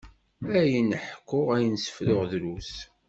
Ayen ḥkuɣ, ayen sefruɣ drus.